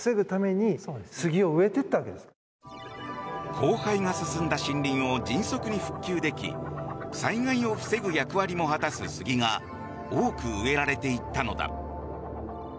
荒廃が進んだ森林を迅速に復旧でき災害を防ぐ役割も果たすスギが多く植えられていったのだ。